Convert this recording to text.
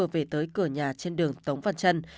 về tới cửa nhà trên đường tống văn trân